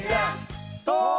「と」！